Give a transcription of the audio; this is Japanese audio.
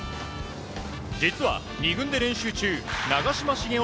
実は、２軍で練習中長嶋茂雄